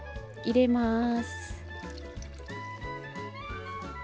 入れます。